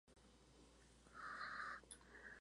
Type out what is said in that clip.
Al momento de cortar es muy perfumada.